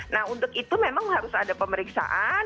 nah untuk itu memang harus ada pemeriksaan